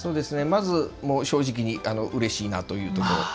正直にうれしいなということ。